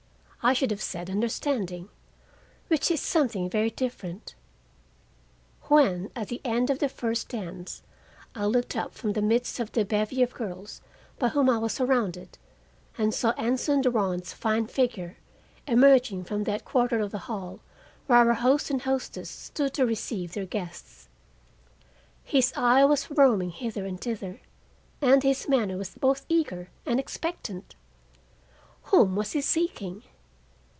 I should have said understanding, which is something very different)—when, at the end of the first dance, I looked up from the midst of the bevy of girls by whom I was surrounded and saw Anson Durand's fine figure emerging from that quarter of the hall where our host and hostess stood to receive their guests. His eye was roaming hither and thither and his manner was both eager and expectant. Whom was he seeking?